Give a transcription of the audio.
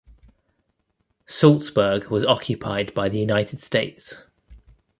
Salzburg was occupied by the United States.